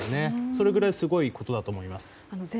それぐらいすごいことだと思います。